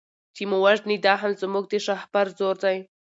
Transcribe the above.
چي مو وژني دا هم زموږ د شهپر زور دی